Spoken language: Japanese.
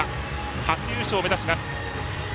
初優勝を目指します。